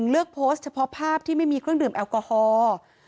เลือกโพสต์เฉพาะภาพที่ไม่มีเครื่องดื่มแอลกอฮอล์